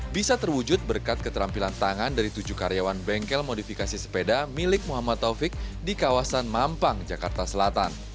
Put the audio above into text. bisa terwujud berkat keterampilan tangan dari tujuh karyawan bengkel modifikasi sepeda milik muhammad taufik di kawasan mampang jakarta selatan